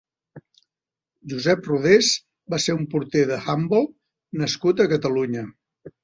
Josep Rodés va ser un porter d'handbol nascut a Catalunya.